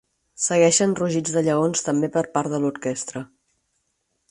Segueixen rugits de lleons també per part de l'orquestra.